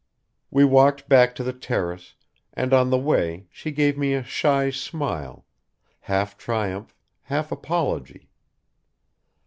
We walked back to the terrace, and on the way she gave me a shy smile, half triumph, half apology.